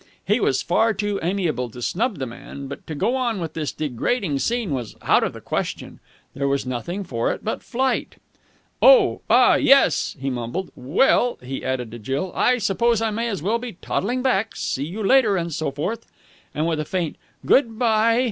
He was far too amiable to snub the man, but to go on with this degrading scene was out of the question. There was nothing for it but flight. "Oh, ah, yes," he mumbled. "Well," he added to Jill, "I suppose I may as well be toddling back. See you later and so forth." And with a faint "Good bye ee!"